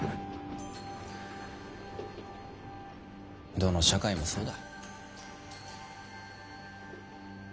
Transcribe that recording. どの社会もそうだ。